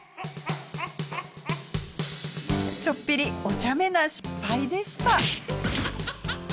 ちょっぴりおちゃめな失敗でした。